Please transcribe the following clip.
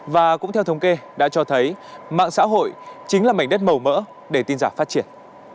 và cũng theo thống kê đã cho thấy mạng xã hội chính là mảnh đất màu mỡ để tin giả phát triển